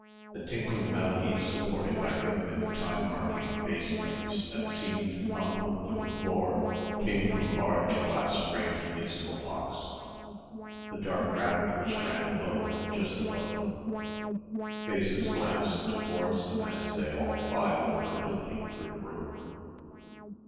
A tinkling melody supported by rhythmic time marking bass notes that seemed to thump the wooden floor came from a large glass framed musical box. The dark rafters ran low, just above them. Faces glanced towards them as they all filed avertedly through the room.